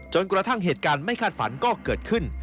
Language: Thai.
กระทั่งเหตุการณ์ไม่คาดฝันก็เกิดขึ้น